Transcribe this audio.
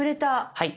はい。